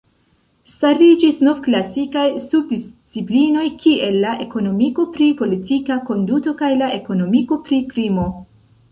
Stariĝis novklasikaj subdisciplinoj kiel la ekonomiko pri politika konduto kaj la ekonomiko pri krimo.